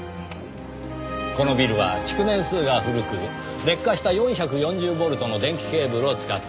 このビルは築年数が古く劣化した４４０ボルトの電気ケーブルを使っています。